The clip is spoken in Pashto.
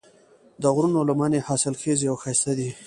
د غرونو لمنې حاصلخیزې او ښایسته دي.